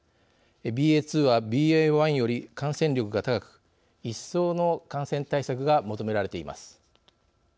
ＢＡ．２はＢＡ．１より感染力が高く一層の感染対策が求められています。